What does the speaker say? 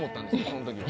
その時は。